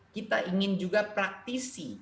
kita ingin juga praktisi